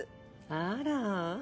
あら。